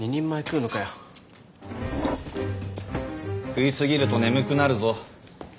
食い過ぎると眠くなるぞ。